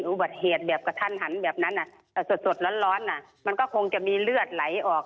อุบัติเหตุแบบกระทันหันแบบนั้นสดร้อนมันก็คงจะมีเลือดไหลออก